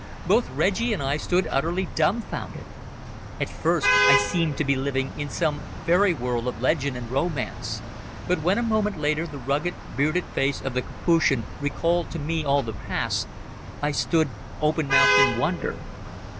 Both Reggie and I stood utterly dumbfounded. At first I seemed to be living in some fairy world of legend and romance, but when a moment later the rugged, bearded face of the Capuchin recalled to me all the past, I stood open mouthed in wonder.